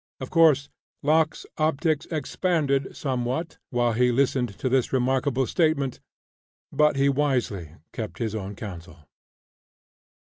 Of course, Locke's optics expanded somewhat while he listened to this remarkable statement, but he wisely kept his own counsel.